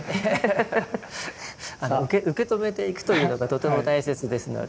受け止めていくというのがとても大切ですので。